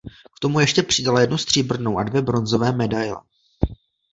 K tomu ještě přidala jednu stříbrnou a dvě bronzové medaili.